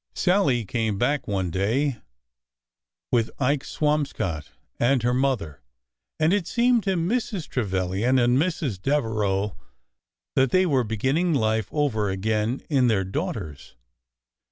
Sallie came back one day with Ike Swamscott and her mother, and it seemed to Mrs. Trevilian and Mrs. Dev ereau that they were beginning life over again in their daughters.